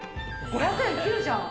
５００円切るじゃん。